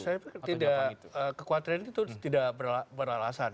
saya tidak kekhawatiran itu tidak beralasan